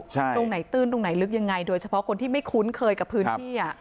ตรงไหนตื้นตรงไหนลึกยังไงโดยเฉพาะคนที่ไม่คุ้นเคยกับพื้นที่